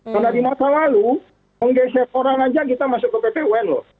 karena di masa lalu menggeser orang saja kita masuk ke pt un loh